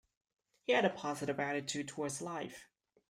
He had a positive attitude towards life.